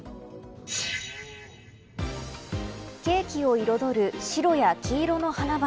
ケーキを彩る白や黄色の花々。